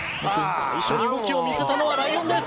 最初に動きを見せたのはライオンです